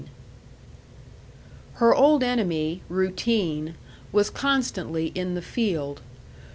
Her old enemy, routine, was constantly in the field.